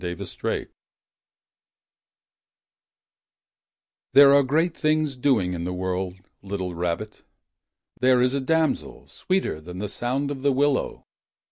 b3297635 There are great things doing In the world. Little rabbit. There is a damsel. Sweeter than the sound of the willow.